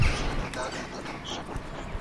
دوی د فصلونو په بدلیدو سره خپل ځایونه بدلوي.